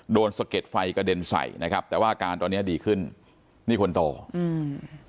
สะเก็ดไฟกระเด็นใส่นะครับแต่ว่าอาการตอนเนี้ยดีขึ้นนี่คนโตอืม